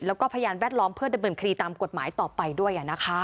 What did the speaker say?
แล้วก็พยานแวดล้อมเพื่อดำเนินคดีตามกฎหมายต่อไปด้วย